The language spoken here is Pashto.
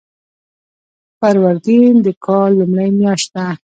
فروردین د کال لومړۍ میاشت ده.